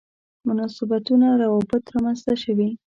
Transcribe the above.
مناسبتونه روابط رامنځته شوي.